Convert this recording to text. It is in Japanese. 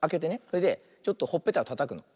それでちょっとほっぺたをたたくの。